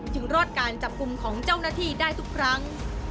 รอดการจับกลุ่มของเจ้าหน้าที่ได้ทุกครั้ง